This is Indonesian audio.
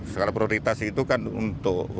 skala prioritas itu kan untuk